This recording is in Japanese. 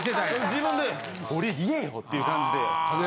自分で俺言えよっていう感じで。